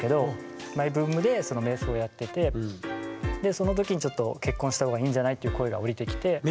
その時にちょっと「結婚したほうがいいんじゃない？」っていう声が降りてきて。